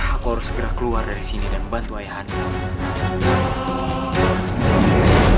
aku harus keluar dari sini dan membantu ayahmu